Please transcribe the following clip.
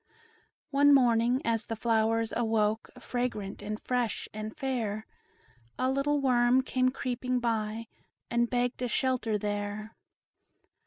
One morning, as the flowers awoke, Fragrant, and fresh, and fair, A little worm came creeping by, And begged a shelter there.